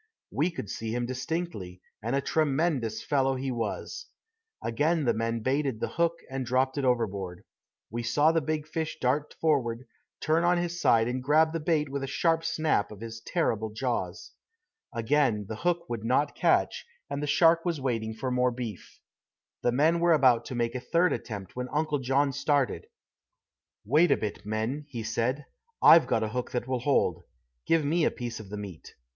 We could see him distinctly, and a tremendous fellow he was. Again the men baited the hook and dropped it overboard. We saw the big fish dart forward, turn on his side and grab the bait with a sharp snap of his terrible jaws. Again the hook would not catch, and the shark was waiting for more beef. The men were about to make a third attempt when Uncle John started. "Wait a bit, men," he said. "I've got a hook that will hold. Give me a piece of the meat."